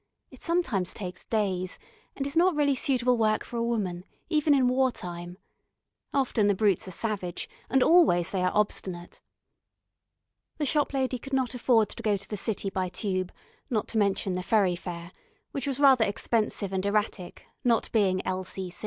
It sometimes takes days, and is not really suitable work for a woman, even in war time. Often the brutes are savage, and always they are obstinate. The shop lady could not afford to go to the City by Tube, not to mention the ferry fare, which was rather expensive and erratic, not being L.